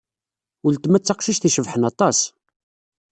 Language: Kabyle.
Uletma d taqcict icebḥen aṭas.